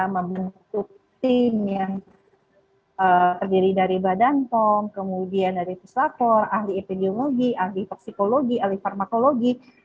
membentuk tim yang terdiri dari badan pom kemudian dari puslapor ahli epidemiologi ahli toksikologi ahli farmakologi